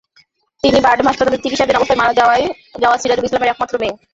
তিনি বারডেম হাসপাতালে চিকিৎসাধীন অবস্থায় মারা যাওয়া সিরাজুল ইসলামের একমাত্র মেয়ে।